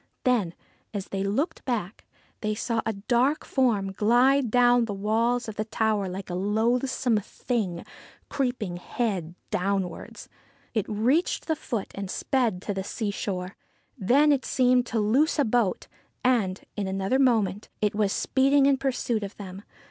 Then, as they looked back, they saw a dark form glide down the walls of the tower like a loathsome thing creeping head downwards. It reached the foot and sped to the seashore. Then it seemed to loose a boat, and, in another moment, it was speeding in pursuit of them.